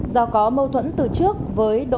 do có mâu thuẫn từ trước với đỗ tử